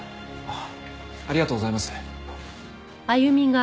ありがとうございます。